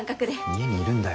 家にいるんだよ。